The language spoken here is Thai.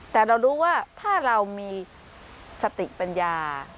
แต่เรารู้ว่าถ้าเรามีสติปัญญา